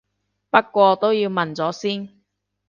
不過都要問咗先